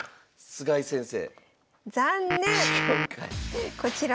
菅井先生